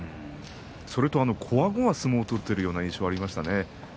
それと、こわごわ相撲を取っているような感じがありましたね。